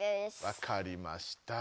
わかりました。